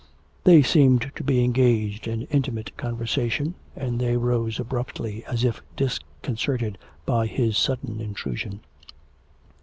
They seemed to be engaged in intimate conversation; and they rose abruptly, as if disconcerted by his sudden intrusion.